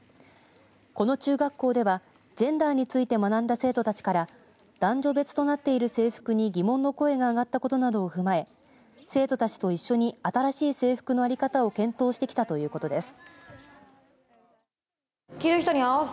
この中学校ではジェンダーについて学んだ生徒たちから男女別となっている制服に疑問の声が上がったことなどを踏まえ生徒たちと一緒に新しい制服の在り方を検討してきたということです。